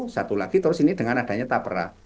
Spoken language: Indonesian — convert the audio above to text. satu lagi terus ini dengan adanya tapera